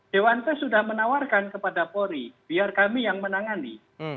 dewan pers sudah menawarkan kepada polri biar kami yang menangani